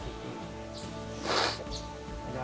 ini dari abbah